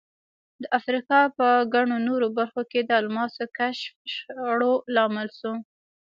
د افریقا په ګڼو نورو برخو کې د الماسو کشف شخړو لامل شو.